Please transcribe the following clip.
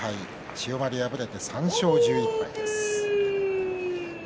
千代丸、敗れて３勝１１敗です。